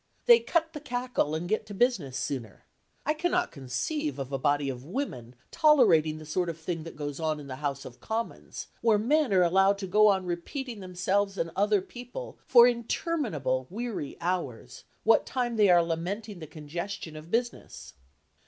They "cut the cackle" and get to business sooner; I cannot conceive of a body of women tolerating the sort of thing that goes on in the House of Commons, where men are allowed to go on repeating themselves and other people, for interminable weary hours, what time they are lamenting the congestion of business.